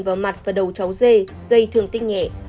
vào mặt và đầu cháu d gây thường tích nhẹ